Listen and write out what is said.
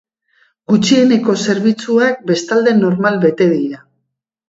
Gutxieneko zerbitzuak, bestalde, normal bete dira.